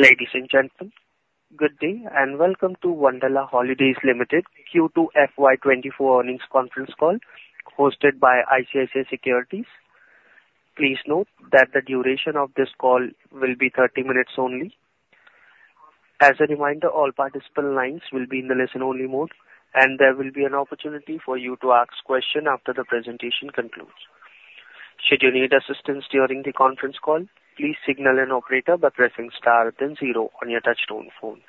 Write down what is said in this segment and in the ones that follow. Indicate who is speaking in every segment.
Speaker 1: Ladies and gentlemen, good day, and welcome to Wonderla Holidays Limited Q2 FY24 earnings conference call hosted by ICICI Securities. Please note that the duration of this call will be 30 minutes only. As a reminder, all participant lines will be in the listen-only mode, and there will be an opportunity for you to ask question after the presentation concludes. Should you need assistance during the conference call, please signal an operator by pressing star then zero on your touch-tone phone.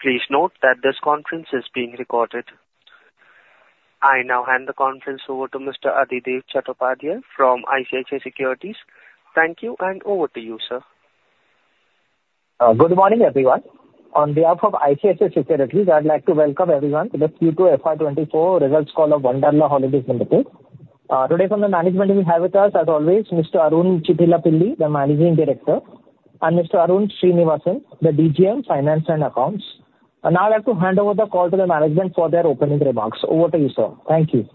Speaker 1: Please note that this conference is being recorded. I now hand the conference over to Mr. Adhidev Chattopadhyay from ICICI Securities. Thank you, and over to you, sir.
Speaker 2: Good morning, everyone. On behalf of ICICI Securities, I'd like to welcome everyone to the Q2 FY24 results call of Wonderla Holidays Limited. Today from the management we have with us, as always, Mr. Arun Chittilappilly, the Managing Director, and Mr. Arun Srinivasan, the DGM, Finance and Accounts. Now I'd like to hand over the call to the management for their opening remarks. Over to you, sir. Thank you.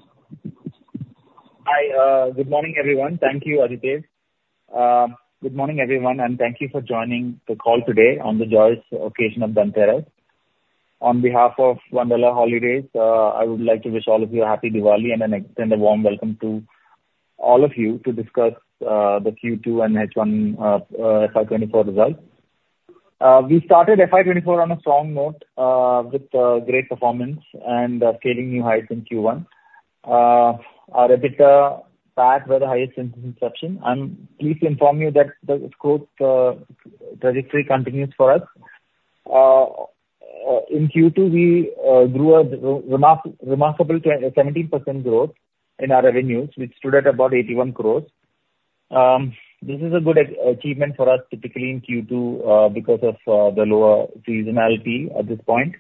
Speaker 3: Hi, good morning, everyone. Thank you, Adhidev. Good morning, everyone, and thank you for joining the call today on the joyous occasion of Dhanteras. On behalf of Wonderla Holidays, I would like to wish all of you a happy Diwali and then extend a warm welcome to all of you to discuss the Q2 and H1 FY 2024 results. We started FY 2024 on a strong note with great performance and scaling new heights in Q1. Our EBITDA, PAT were the highest since inception. I'm pleased to inform you that the growth trajectory continues for us. In Q2, we grew at a remarkable 17% growth in our revenues, which stood at about 81 crores. This is a good achievement for us, particularly in Q2, because of the lower seasonality at this point.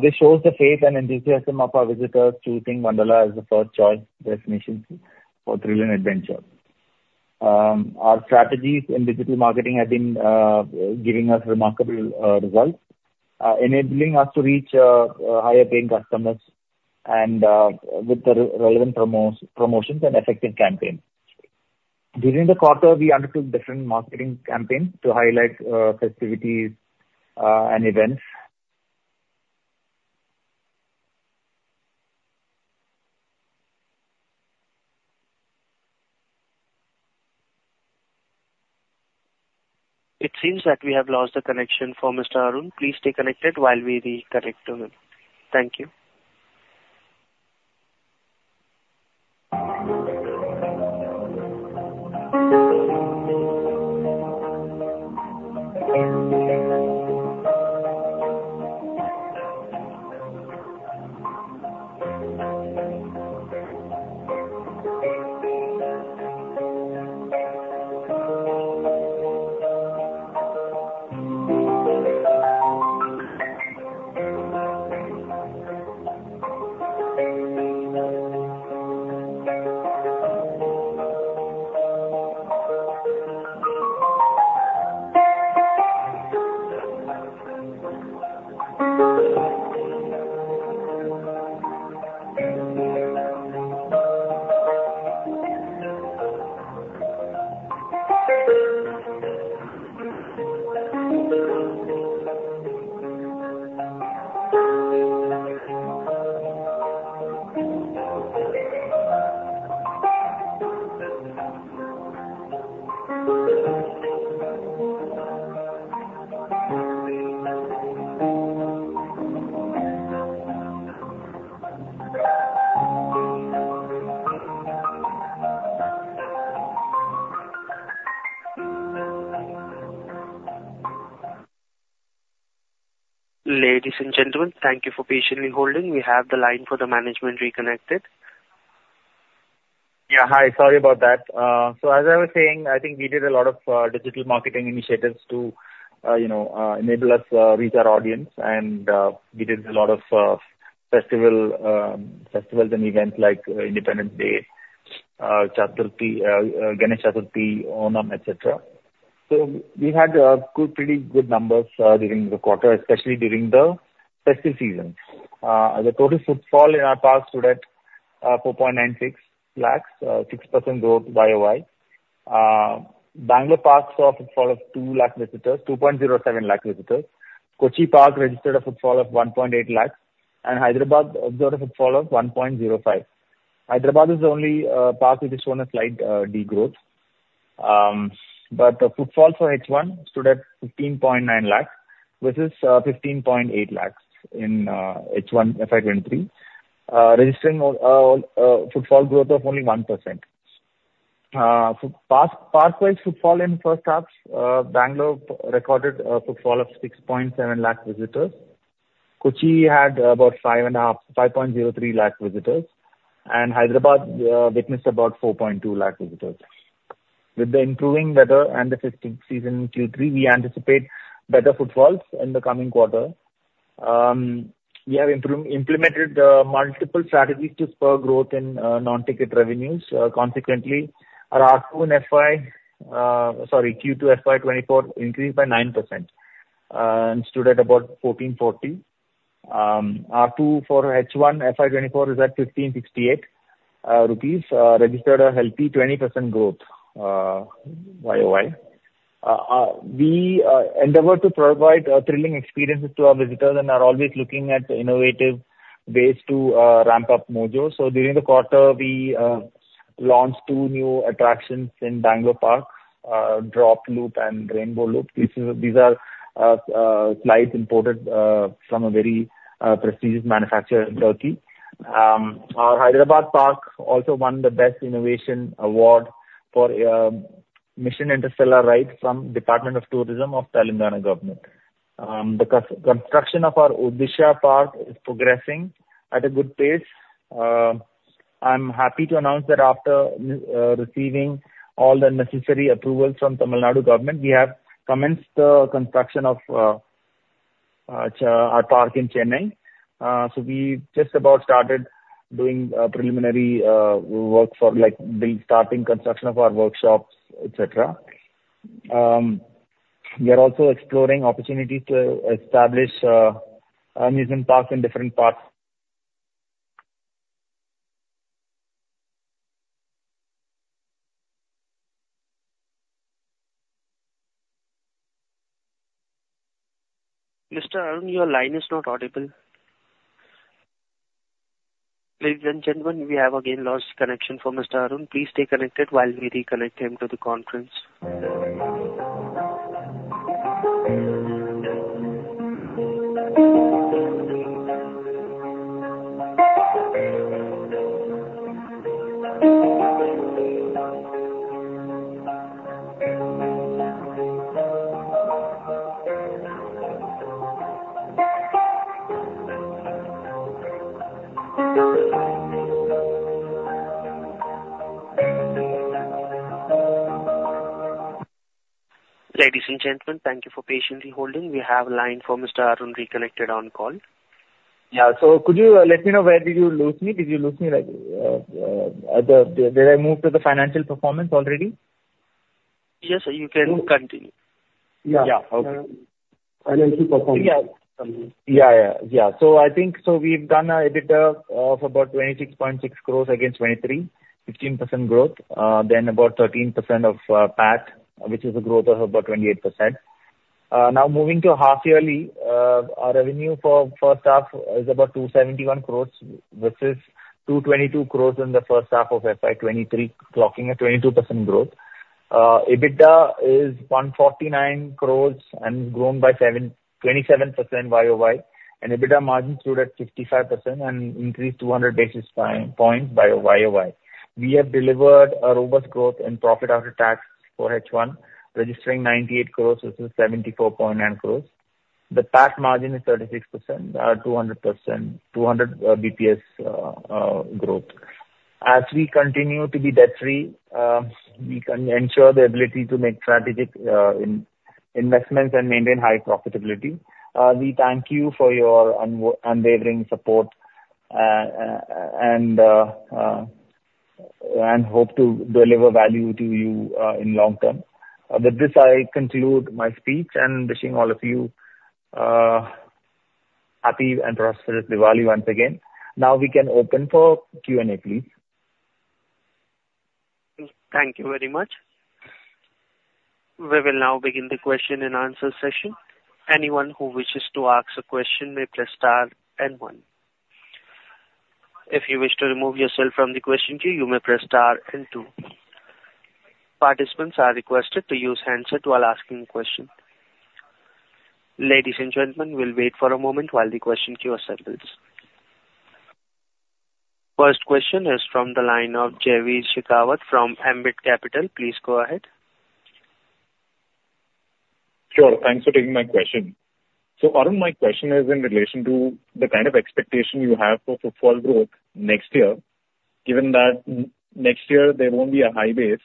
Speaker 3: This shows the faith and enthusiasm of our visitors choosing Wonderla as the first choice destination for thrill and adventure. Our strategies in digital marketing have been giving us remarkable results, enabling us to reach higher-paying customers and with the relevant promotions and effective campaigns. During the quarter, we undertook different marketing campaigns to highlight festivities and events.
Speaker 1: It seems that we have lost the connection for Mr. Arun. Please stay connected while we reconnect to him. Thank you. Ladies and gentlemen, thank you for patiently holding. We have the line for the management reconnected.
Speaker 3: Yeah, hi. Sorry about that. So as I was saying, I think we did a lot of digital marketing initiatives to, you know, enable us reach our audience, and we did a lot of festivals and events like Independence Day, Ganesh Chaturthi, Onam, et cetera. So we had good, pretty good numbers during the quarter, especially during the festive season. The total footfall in our parks stood at 4.96 lakhs, 6% growth YoY. Bengaluru Park saw a footfall of 2 lakh visitors, 2.07 lakh visitors. Kochi Park registered a footfall of 1.8 lakh, and Hyderabad observed a footfall of 1.05. Hyderabad is the only park which has shown a slight degrowth. But the footfall for H1 stood at 15.9 lakh, versus 15.8 lakhs in H1 FY 2023, registering footfall growth of only 1%. So park-wise footfall in first halves, Bengaluru recorded a footfall of 6.7 lakh visitors, Kochi had about 5.5, 5.03 lakh visitors, and Hyderabad witnessed about 4.2 lakh visitors. With the improving weather and the festive season in Q3, we anticipate better footfalls in the coming quarter. We have implemented multiple strategies to spur growth in non-ticket revenues. Consequently, our ARPU in Q2 FY 2024 increased by 9%, and stood at about 1,440.... Our Q2 for H1, FY 2024 is at 1,568 rupees, registered a healthy 20% growth YoY. We endeavor to provide thrilling experiences to our visitors and are always looking at innovative ways to ramp up mojo. So during the quarter, we launched two new attractions in Bengaluru Park, Drop Loop and Rainbow Loop. These are slides imported from a very prestigious manufacturer in Turkey. Our Hyderabad Park also won the Best Innovation Award for Mission Interstellar ride from Department of Tourism of Telangana Government. The construction of our Odisha park is progressing at a good pace. I'm happy to announce that after receiving all the necessary approvals from Tamil Nadu Government, we have commenced the construction of our park in Chennai. So we've just about started doing preliminary work for like, the starting construction of our workshops, et cetera. We are also exploring opportunities to establish amusement parks in different parts.
Speaker 1: Mr. Arun, your line is not audible. Ladies and gentlemen, we have again lost connection for Mr. Arun. Please stay connected while we reconnect him to the conference. Ladies and gentlemen, thank you for patiently holding. We have a line for Mr. Arun reconnected on call.
Speaker 3: Yeah. So could you let me know where did you lose me? Did you lose me, like, at the...? Did I move to the financial performance already?
Speaker 1: Yes, sir, you can continue.
Speaker 3: Yeah.
Speaker 1: Yeah. Okay.
Speaker 4: Financial performance.
Speaker 1: Yeah.
Speaker 3: Yeah, yeah, yeah. So I think, so we've done an EBITDA of about 26.6 crores against 23, 15% growth. Then about 13% of PAT, which is a growth of about 28%. Now moving to half yearly, our revenue for first half is about 271 crores, versus 222 crores in the first half of FY 2023, clocking a 22% growth. EBITDA is 149 crores and grown by 27% YoY, and EBITDA margin stood at 55% and increased 200 basis points YoY. We have delivered a robust growth in profit after tax for H1, registering 98 crores, which is 74.9 crores. The PAT margin is 36%, 200 basis points growth. As we continue to be debt free, we can ensure the ability to make strategic investments and maintain high profitability. We thank you for your unwavering support, and hope to deliver value to you, in long term. With this, I conclude my speech, and wishing all of you happy and prosperous Diwali once again. Now we can open for Q&A, please.
Speaker 1: Thank you very much. We will now begin the question and answer session. Anyone who wishes to ask a question may press star and one. If you wish to remove yourself from the question queue, you may press star and two. Participants are requested to use handset while asking question. Ladies and gentlemen, we'll wait for a moment while the question queue assembles. First question is from the line of Jaiveer Shekhawat from Ambit Capital. Please go ahead.
Speaker 5: Sure. Thanks for taking my question. So, Arun, my question is in relation to the kind of expectation you have for footfall growth next year, given that next year there won't be a high base,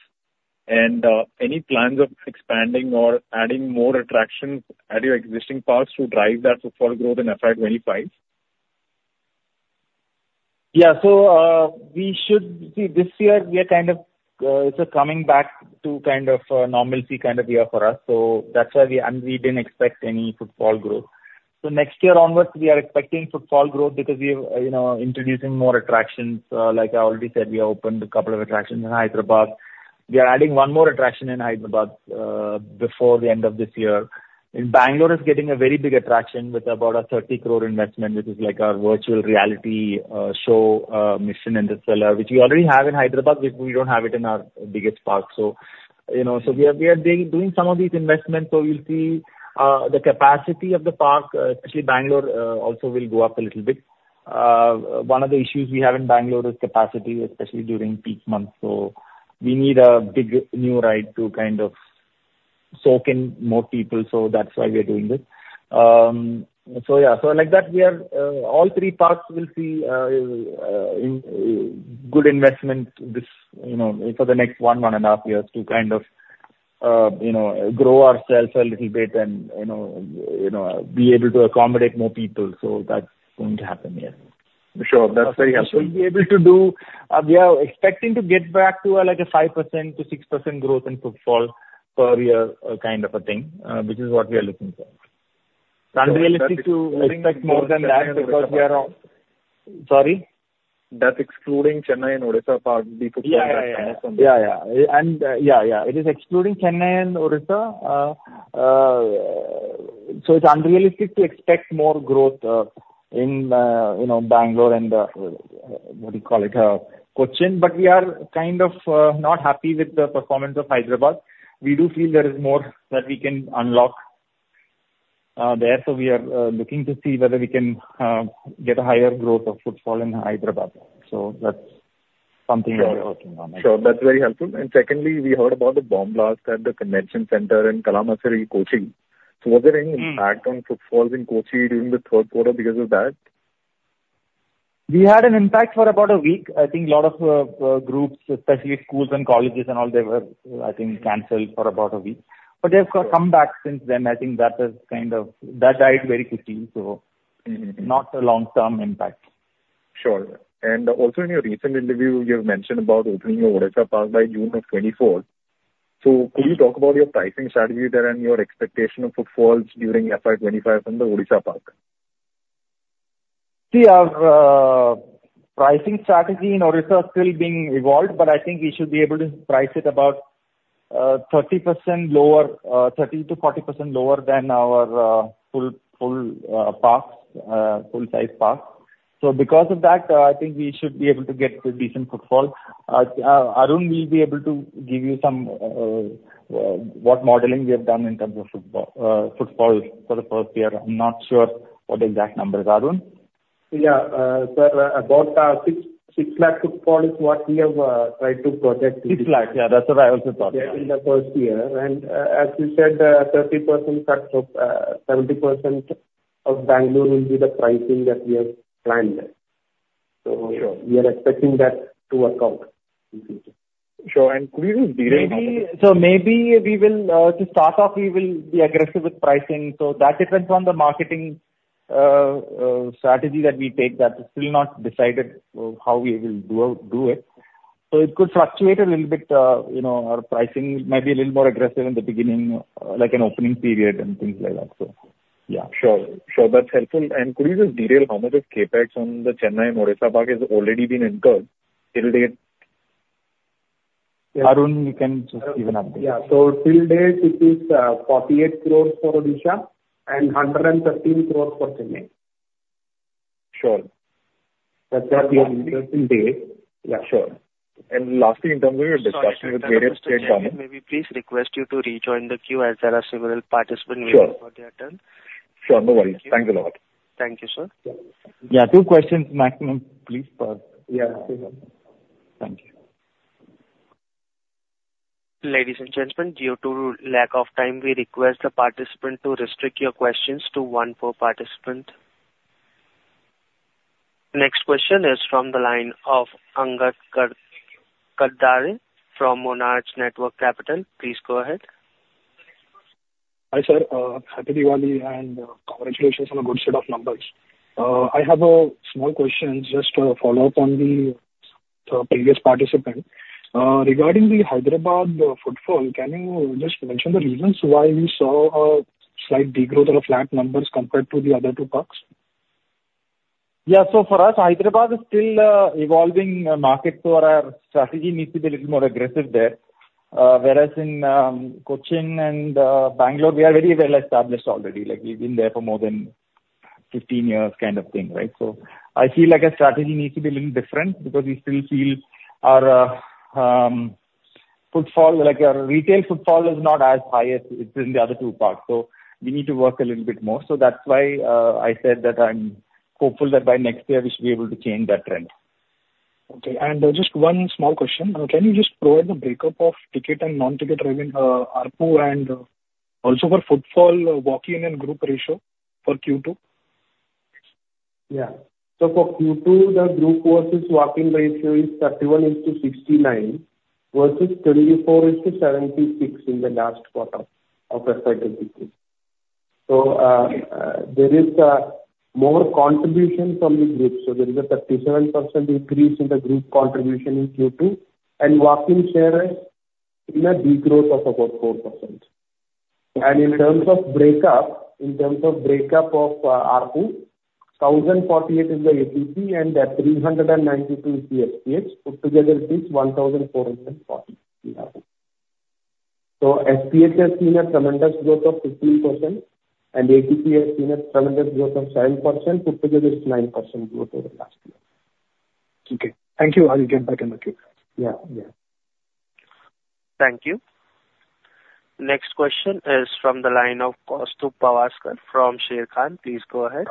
Speaker 5: and any plans of expanding or adding more attractions at your existing parks to drive that footfall growth in FY 2025?
Speaker 3: Yeah. So, we should... See, this year, we are kind of, it's a coming back to kind of a normalcy kind of year for us. So that's why we, and we didn't expect any footfall growth. So next year onwards, we are expecting footfall growth because we have, you know, introducing more attractions. Like I already said, we have opened a couple of attractions in Hyderabad. We are adding one more attraction in Hyderabad, before the end of this year. In Bengaluru, is getting a very big attraction with about an 30 crore investment, which is like our virtual reality, show, Mission Interstellar, which we already have in Hyderabad, which we don't have it in our biggest park. So, you know, so we are, we are doing some of these investments, so you'll see, the capacity of the park, especially Bengaluru, also will go up a little bit. One of the issues we have in Bengaluru is capacity, especially during peak months, so we need a big new ride to kind of soak in more people. So that's why we are doing this. So yeah, so like that, we are, all three parks will see, in, good investment this, you know, for the next one, one and a half years to kind of, you know, grow ourselves a little bit and, you know, you know, be able to accommodate more people. So that's going to happen. Yes.
Speaker 5: Sure, that's very helpful.
Speaker 3: We'll be able to do, we are expecting to get back to, like a 5%-6% growth in footfall per year, kind of a thing, which is what we are looking for. It's unrealistic to expect more than that because we are all--Sorry?
Speaker 5: That's excluding Chennai and Odisha park, the footfall-
Speaker 3: Yeah. Yeah. Yeah, yeah. And, yeah, yeah. It is excluding Chennai and Odisha. So it's unrealistic to expect more growth, you know, in Bengaluru and what do you call it? Kochi. But we are kind of not happy with the performance of Hyderabad. We do feel there is more that we can unlock there, so we are looking to see whether we can get a higher growth of footfall in Hyderabad. So that's something we are working on.
Speaker 5: Sure. That's very helpful. Secondly, we heard about the bomb blast at the convention center in Kalamassery, Kochi. Was there any impact-
Speaker 3: Mm.
Speaker 5: -on footfalls in Kochi during the third quarter because of that?
Speaker 3: We had an impact for about a week. I think a lot of groups, especially schools and colleges and all, they were, I think, canceled for about a week.
Speaker 5: Sure.
Speaker 3: They've come back since then. I think that is kind of... That died very quickly, so not a long-term impact.
Speaker 5: Sure. Also, in your recent interview, you've mentioned about opening your Odisha park by June of 2024. Could you talk about your pricing strategy there and your expectation of footfalls during FY 2025 from the Odisha park?
Speaker 3: See, our pricing strategy in Odisha is still being evolved, but I think we should be able to price it about 30% lower, 30%-40% lower than our full-size parks. So because of that, I think we should be able to get a decent footfall. Arun will be able to give you some what modeling we have done in terms of footfall, footfalls for the first year. I'm not sure what the exact number is. Arun?
Speaker 4: Yeah. Sir, about 6 lakh footfall is what we have tried to project.
Speaker 3: 6 lakh. Yeah, that's what I also thought.
Speaker 4: Yeah, in the first year. And, as you said, 30% traffic, 70% of Bengaluru will be the pricing that we have planned. So-
Speaker 5: Sure.
Speaker 4: We are expecting that to account in future.
Speaker 5: Sure. And could you just detail-
Speaker 3: Maybe, so maybe we will, to start off, we will be aggressive with pricing. So that depends on the marketing, strategy that we take. That is still not decided, how we will do it. So it could fluctuate a little bit, you know, our pricing might be a little more aggressive in the beginning, like an opening period and things like that. So, yeah.
Speaker 5: Sure. Sure, that's helpful. Could you just detail how much of CapEx on the Chennai and Odisha park has already been incurred till date?
Speaker 4: Yes.
Speaker 3: Arun, you can just give an update.
Speaker 4: Yeah. So till date, it is 48 crore for Odisha and 113 crore for Chennai.
Speaker 3: Sure.
Speaker 5: That's actually interesting day.
Speaker 3: Yeah, sure.
Speaker 5: And lastly, in terms of your discussion with various state government-
Speaker 1: May we please request you to rejoin the queue, as there are several participants.
Speaker 5: Sure.
Speaker 1: waiting for their turn.
Speaker 5: Sure. No worry.
Speaker 1: Thank you.
Speaker 5: Thanks a lot.
Speaker 1: Thank you, sir.
Speaker 3: Yeah, two questions maximum, please, per...
Speaker 4: Yeah.
Speaker 3: Thank you.
Speaker 1: Ladies and gentlemen, due to lack of time, we request the participant to restrict your questions to one per participant. Next question is from the line of Angad Kadale from Monarch Networth Capital. Please go ahead.
Speaker 6: Hi, sir. Happy Diwali, and congratulations on a good set of numbers. I have a small question, just a follow-up on the previous participant. Regarding the Hyderabad footfall, can you just mention the reasons why you saw a slight degrowth or flat numbers compared to the other two parks?
Speaker 3: Yeah. So for us, Hyderabad is still a evolving market, so our strategy needs to be a little more aggressive there. Whereas in, Kochi and, Bengaluru, we are very well established already. Like, we've been there for more than 15 years kind of thing, right? So I feel like our strategy needs to be a little different because we still feel our, footfall, like our retail footfall, is not as high as it is in the other two parks, so we need to work a little bit more. So that's why, I said that I'm hopeful that by next year we should be able to change that trend.
Speaker 6: Okay. Just one small question. Can you just provide the breakup of ticket and non-ticket revenue, ARPU, and also for footfall, walk-in and group ratio for Q2?
Speaker 4: Yeah. So for Q2, the group versus walk-in ratio is 31:69 versus 24:76 in the last quarter of fiscal 2023. So there is more contribution from the group. So there is a 37% increase in the group contribution in Q2, and walk-in share is in a degrowth of about 4%. And in terms of breakup, in terms of breakup of ARPU, 1,048 is the ATP, and 392 is the SPH. Put together, it is 1,440, we have it. So SPH has seen a tremendous growth of 15%, and ATP has seen a tremendous growth of 7%. Put together, it's 9% growth over last year.
Speaker 6: Okay. Thank you. I will get back in the queue.
Speaker 4: Yeah. Yeah.
Speaker 1: Thank you. Next question is from the line of Kaustubh Pawaskar from Sharekhan. Please go ahead.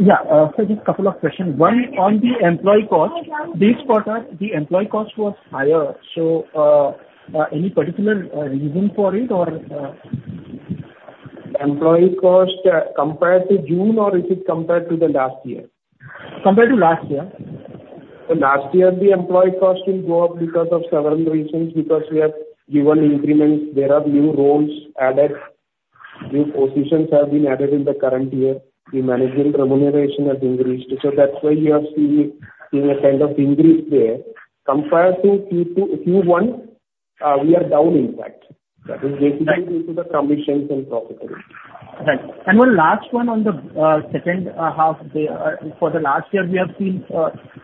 Speaker 7: Yeah. So just couple of questions. One, on the employee cost. This quarter, the employee cost was higher, so any particular reason for it or?
Speaker 4: Employee cost, compared to June, or is it compared to the last year?
Speaker 7: Compared to last year.
Speaker 3: So last year, the employee cost will go up because of several reasons, because we have given increments. There are new roles added, new positions have been added in the current year. The management remuneration has increased, so that's why you are seeing, seeing a kind of increase there. Compared to Q2, Q1, we are down, in fact. That is basically due to the commissions and profitability.
Speaker 7: Right. And one last one on the second half there. For the last year, we have seen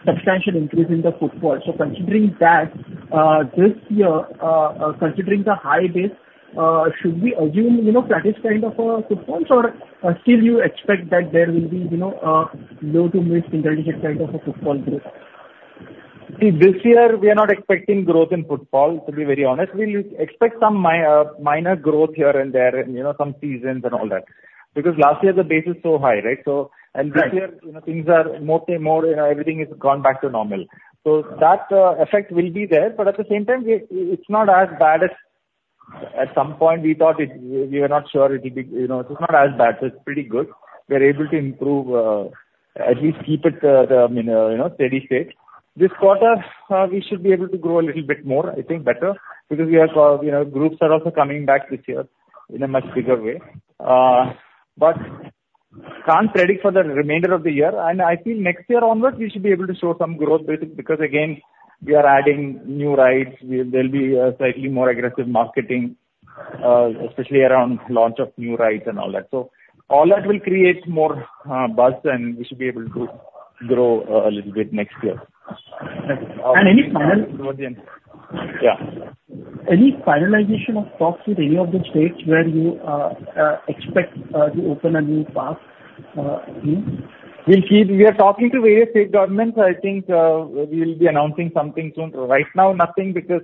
Speaker 7: substantial increase in the footfall. So considering that, this year, considering the high base, should we assume, you know, that is kind of footfalls or still you expect that there will be, you know, low to mid-single digit kind of a footfall growth?
Speaker 3: See, this year we are not expecting growth in footfall, to be very honest. We expect some minor growth here and there and, you know, some seasons and all that. Because last year the base is so high, right? So-
Speaker 7: Right.
Speaker 3: -this year, you know, things are more, more, you know, everything is gone back to normal. So that effect will be there, but at the same time, it, it's not as bad as... At some point we thought it, we were not sure it would be, you know, it's not as bad. So it's pretty good. We are able to improve, at least keep it, I mean, you know, steady state. This quarter, we should be able to grow a little bit more, I think better, because we are, you know, groups are also coming back this year in a much bigger way. But can't predict for the remainder of the year, and I think next year onwards we should be able to show some growth basic, because again, we are adding new rides. There'll be a slightly more aggressive marketing, especially around launch of new rides and all that. So all that will create more buzz, and we should be able to grow a little bit next year.
Speaker 7: And any final-
Speaker 3: Yeah.
Speaker 7: Any finalization of talks with any of the states where you expect to open a new park in?
Speaker 3: We'll keep... We are talking to various state governments. I think, we'll be announcing something soon. Right now, nothing, because,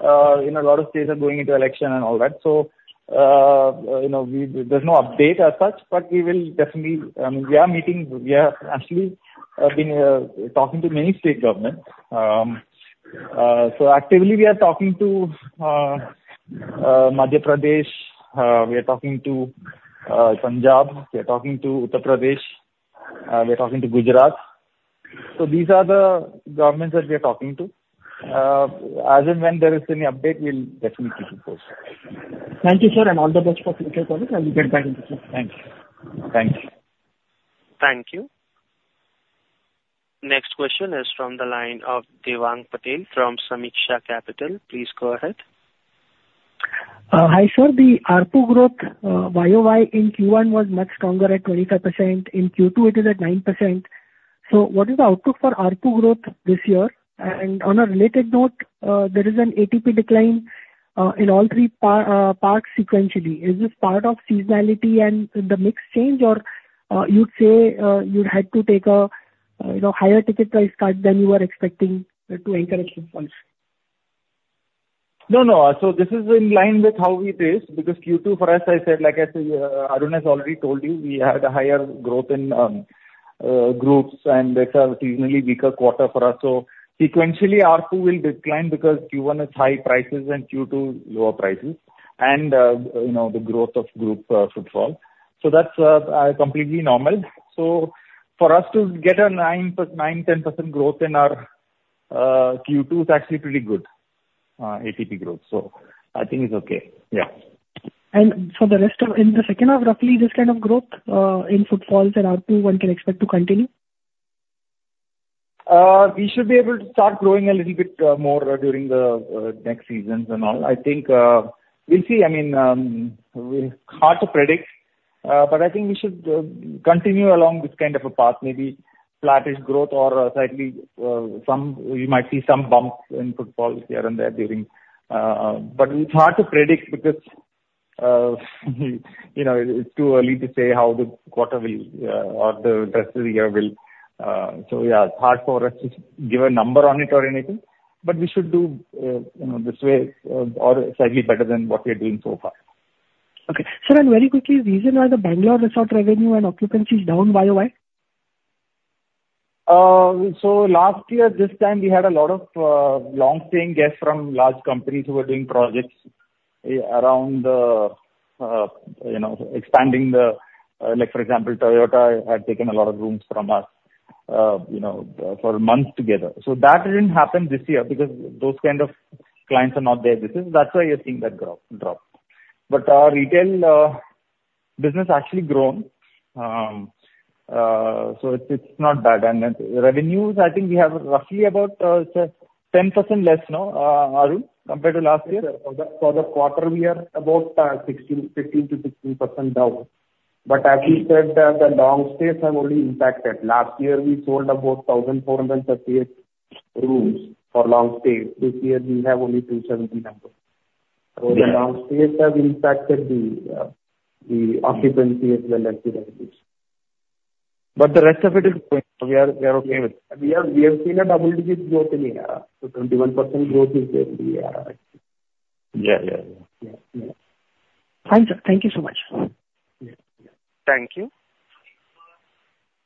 Speaker 3: you know, a lot of states are going into election and all that. So, you know, there's no update as such, but we will definitely, we are meeting, we are actually, been talking to many state governments. So actively, we are talking to, Madhya Pradesh, we are talking to, Punjab, we are talking to Uttar Pradesh, we are talking to Gujarat. So these are the governments that we are talking to. As and when there is any update, we'll definitely inform.
Speaker 7: Thank you, sir, and all the best for future quarter, and we get back into this.
Speaker 3: Thanks. Thanks.
Speaker 1: Thank you. Next question is from the line of Devang Patel from Sameeksha Capital. Please go ahead.
Speaker 8: Hi, sir. The ARPU growth, YoY in Q1 was much stronger at 25%, in Q2 it is at 9%. So what is the outlook for ARPU growth this year? And on a related note, there is an ATP decline in all three parks sequentially. Is this part of seasonality and the mix change? Or, you'd say, you'd had to take a, you know, higher ticket price cut than you were expecting to encourage footfalls?
Speaker 3: No, no. So this is in line with how we pace, because Q2 for us, I said, like I say, Arun has already told you, we had a higher growth in groups, and that's a seasonally weaker quarter for us. So sequentially, ARPU will decline because Q1 is high prices and Q2 lower prices and, you know, the growth of group footfall. So that's completely normal. So for us to get a 9%-10% growth in our Q2 is actually pretty good ATP growth. So I think it's okay. Yeah.
Speaker 8: And for the rest of... In the second half, roughly this kind of growth in footfalls and ARPU one can expect to continue?
Speaker 3: We should be able to start growing a little bit more during the next seasons and all. I think we'll see. I mean, hard to predict, but I think we should continue along this kind of a path, maybe flattish growth or slightly some, you might see some bumps in footfall here and there during... But it's hard to predict because, you know, it's too early to say how the quarter will or the rest of the year will, so, yeah, it's hard for us to give a number on it or anything, but we should do, you know, this way or slightly better than what we are doing so far.
Speaker 8: Okay. Sir, and very quickly, reason why the Bengaluru resort revenue and occupancy is down YoY?
Speaker 3: So last year, this time, we had a lot of long-staying guests from large companies who were doing projects around the, you know, expanding the, like, for example, Toyota had taken a lot of rooms from us, you know, for months together. So that didn't happen this year because those kind of clients are not there. This is, that's why you're seeing that drop, drop. But our retail business actually grown. So it's, it's not bad. And then revenues, I think we have roughly about 10% less, no, Arun, compared to last year?
Speaker 4: For the quarter, we are about 15%-16% down. But as we said, the long stays have only impacted. Last year, we sold about 1,438 rooms for long stay. This year we have only 279.
Speaker 3: Yeah.
Speaker 4: So the long stays have impacted the occupancy as well as the revenues.
Speaker 3: But the rest of it is, we are okay with.
Speaker 4: We have seen a double-digit growth in ARR, so 21% growth in the ARR.
Speaker 3: Yeah, yeah, yeah.
Speaker 8: Yeah. Yeah. Thank you so much.
Speaker 3: Yeah. Yeah.
Speaker 1: Thank you.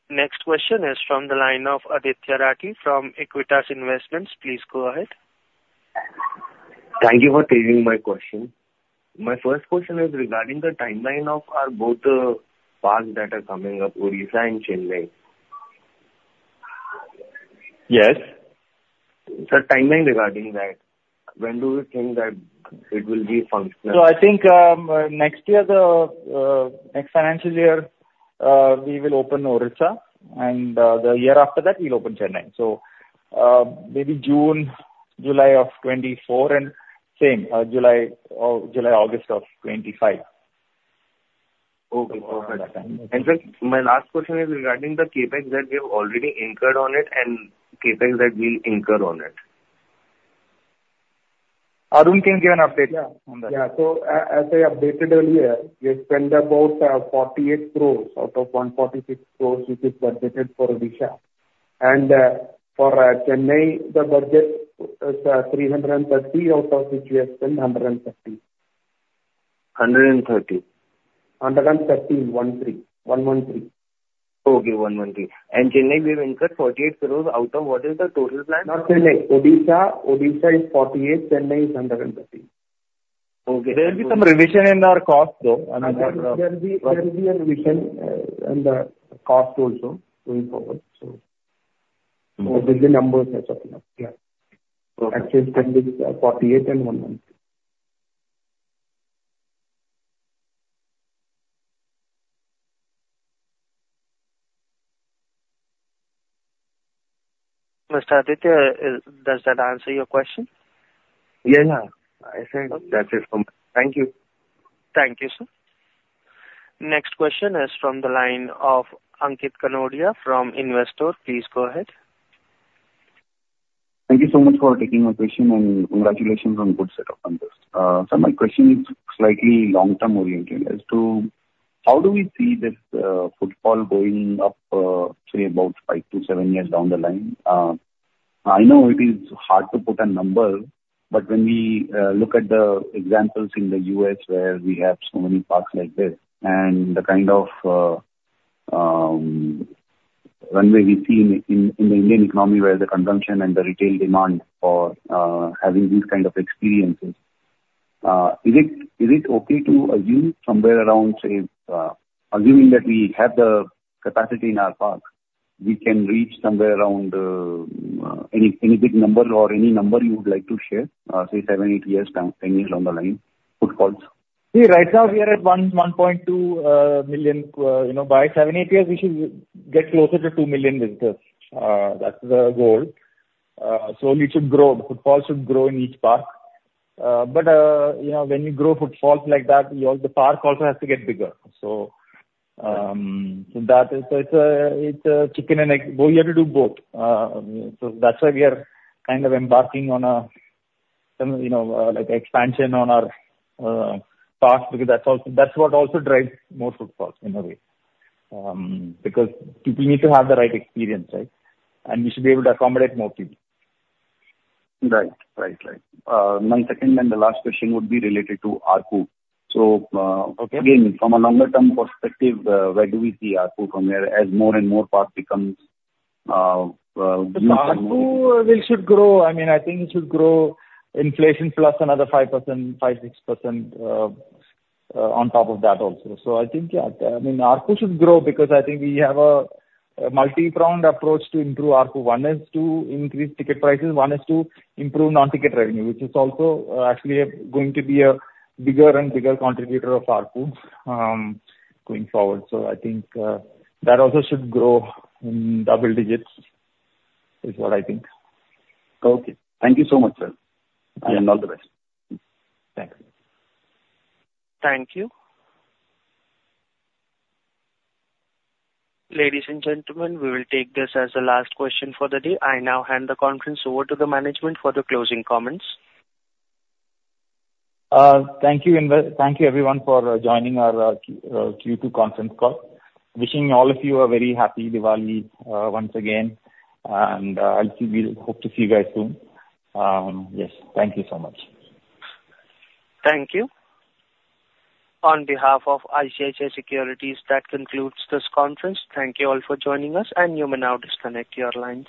Speaker 1: Next question is from the line of Aditya Rathi from Aequitas Investments. Please go ahead.
Speaker 9: Thank you for taking my question. My first question is regarding the timeline of our both parks that are coming up, Odisha and Chennai.
Speaker 3: Yes.
Speaker 9: The timeline regarding that, when do you think that it will be functional?
Speaker 3: So I think, next year, the next financial year, we will open Odisha, and the year after that, we'll open Chennai. So, maybe June/July of 2024, and same, July/August of 2025.
Speaker 9: Okay, perfect. And then my last question is regarding the CapEx that we have already incurred on it and CapEx that we'll incur on it.
Speaker 3: Arun can give an update on that.
Speaker 4: Yeah. Yeah, so as I updated earlier, we have spent about 48 crore out of 146 crore, which is budgeted for Odisha. For Chennai, the budget is 330 crore, out of which we have spent 113 crore.
Speaker 9: INR 130.
Speaker 4: 113. One one three.
Speaker 9: Okay, one one three. And Chennai, we've incurred 48 crore out of what is the total plan?
Speaker 4: Not Chennai, Odisha. Odisha is 48, Chennai is 113.
Speaker 9: Okay.
Speaker 3: There will be some revision in our cost, though, Aditya-
Speaker 4: There will be, there will be a revision in the cost also going forward, so.
Speaker 9: Okay, the numbers are something up.
Speaker 4: Yeah.
Speaker 9: So-
Speaker 4: Actually, it will be, 48 and 11.
Speaker 3: Mr. Aditya, does that answer your question?
Speaker 9: Yeah, yeah. I think that's it from me. Thank you.
Speaker 1: Thank you, sir. Next question is from the line of Ankit Kanodia from Investor. Please go ahead.
Speaker 10: Thank you so much for taking my question, and congratulations on good set of numbers. So my question is slightly long-term oriented as to how do we see this, footfall going up, say, about five to seven years down the line? I know it is hard to put a number, but when we look at the examples in the U.S. where we have so many parks like this and the kind of runway we see in the Indian economy, where the consumption and the retail demand for having these kind of experiences, is it okay to assume somewhere around, say, assuming that we have the capacity in our park, we can reach somewhere around any big number or any number you would like to share, say, seven, eight years down, 10 years down the line, footfalls?
Speaker 3: See, right now we are at 1.2 million. You know, by seven to eight years, we should get closer to 2 million visitors. That's the goal. So we should grow, the footfall should grow in each park. But, you know, when you grow footfalls like that, you also, the park also has to get bigger. So, so that is, so it's a, it's a chicken and egg. Well, we have to do both. So that's why we are kind of embarking on a, some, you know, like expansion on our, parks, because that's also, that's what also drives more footfalls in a way. Because people need to have the right experience, right? And we should be able to accommodate more people.
Speaker 10: Right. Right, right. My second and the last question would be related to ARPU. So,
Speaker 3: Okay.
Speaker 10: Again, from a longer term perspective, where do we see ARPU from here as more and more parks becomes,
Speaker 3: So ARPU will should grow. I mean, I think it should grow inflation plus another 5%, 5-6% on top of that also. So I think, yeah, I mean, ARPU should grow because I think we have a multi-pronged approach to improve ARPU. One is to increase ticket prices, one is to improve non-ticket revenue, which is also actually going to be a bigger and bigger contributor of ARPU going forward. So I think that also should grow in double digits, is what I think.
Speaker 10: Okay. Thank you so much, sir.
Speaker 3: Yeah.
Speaker 10: All the best. Thank you.
Speaker 3: Thank you.
Speaker 1: Ladies and gentlemen, we will take this as the last question for the day. I now hand the conference over to the management for the closing comments.
Speaker 3: Thank you, everyone, for joining our Q2 conference call. Wishing all of you a very happy Diwali once again, and I'll see you... Hope to see you guys soon. Yes. Thank you so much.
Speaker 1: Thank you. On behalf of ICICI Securities, that concludes this conference. Thank you all for joining us, and you may now disconnect your lines.